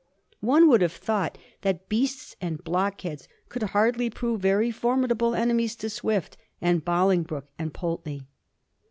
One would have thought that beasts and blockheads could hardly prove very formidable enemies to Swift and Bolingbroke and Pulteney.